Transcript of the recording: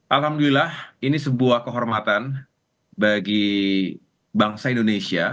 alhamdulillah ini sebuah kehormatan bagi bangsa indonesia